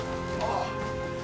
ああ。